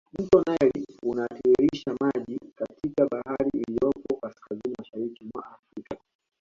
Mto nile unatiririsha maji katika bahari iliyopo kaskazini mashariki mwa afrika